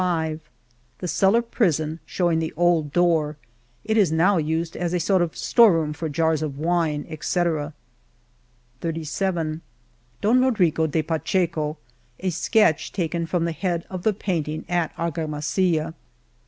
j^ The cellar prison^ showing the old door (It is now used ets a sort of store room for Jars of wine, ^^•) SS Don Rodrigo de Pacheco. A sketch taken from the head of the painting at ArgamasUla